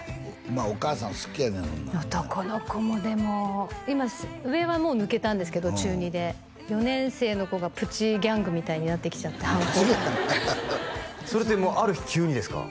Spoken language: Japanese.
まあお母さん好きやねん男の子もでも今上はもう抜けたんですけど中２で４年生の子がプチギャングみたいになってきちゃって反抗期プチギャングそれってもうある日急にですか？